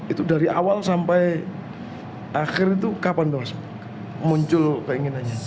itu dari awal sampai akhir itu kapan terus muncul keinginannya